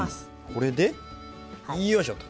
これでよいしょと。